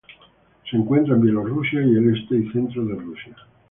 Se encuentra en Bielorrusia y el este y centro de Rusia.